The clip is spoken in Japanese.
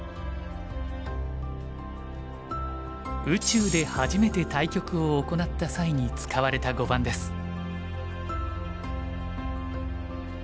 宇宙で初めて対局を行った際に使われた碁盤です。